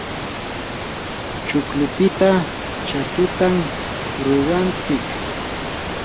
chuklupita shatutam rurantsik.